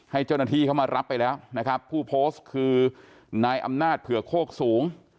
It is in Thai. ให้เจ้าหน้าที่เข้ามารับไปแล้วนะครับผู้โพสต์คือนายอำนาจเผื่อโคกสูง